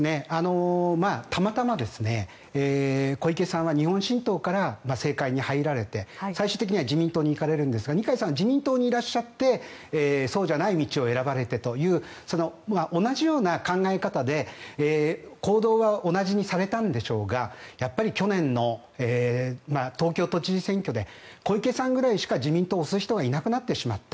たまたま小池さんは日本新党から政界に入られて、最終的には自民党に行かれるんですが二階さんは自民党にいらっしゃってそうじゃない道を選ばれてという同じような考え方で行動は同じにされたんでしょうがやっぱり去年の東京都知事選挙で小池さんぐらいしか自民党を推す人がいなくなってしまった。